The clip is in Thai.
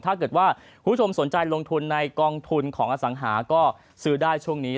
ถ้าเกิดว่าคุณผู้ชมสนใจลงทุนในกองทุนของอสังหาก็ซื้อได้ช่วงนี้